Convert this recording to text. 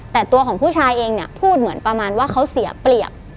แต่ตัวของผู้ชายเองเนี่ยพูดเหมือนประมาณว่าเขาเสียเปรียบ